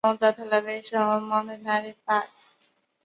萨马尔索勒人口变化图示